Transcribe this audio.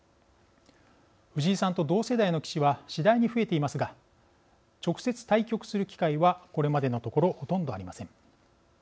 藤井さんと同世代の棋士は次第に増えていますが直接対局する機会はこれまでのところほとんどありません。